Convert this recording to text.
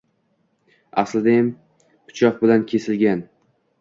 Aslidayam pichoq bilan kesilgan